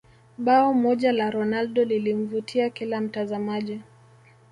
bao moja la ronaldo lilimvutia kila mtazamaji